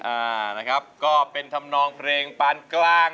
อ่านั้นครับก็เป็นสำนองเพลงปานกลาง